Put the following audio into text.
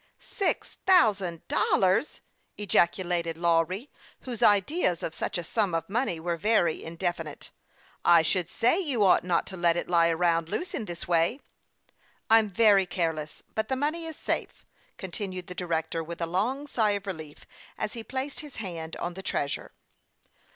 " Six thousand dollars !" ejaculated Lawry, whose ideas of such a sum of money were very indefinite. " I should say you ought not to let it lie round loose in this way." " I'm very careless ; but the money is safe," con tinued the director, with a long sigh of relief, as he placed his hand on the treasure.